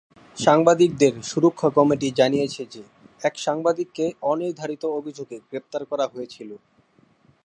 সাংবাদিকদের সুরক্ষা কমিটি জানিয়েছে যে এক সাংবাদিককে অনির্ধারিত অভিযোগে গ্রেপ্তার করা হয়েছিল।